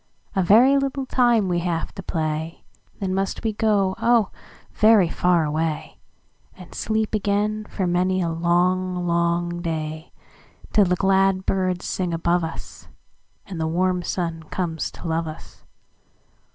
"A very little time we have to play, Then must we go, oh, very far away, And sleep again for many a long, long day, Till the glad birds sing above us, And the warm sun comes to love us.